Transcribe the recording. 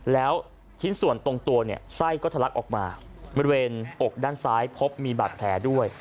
แล้วชิ้นส่วนตรงตัวเนี่ยไส้ก็ทะลักออกมาบริเวณอกด้านซ้ายพบมีบาดแผลด้วย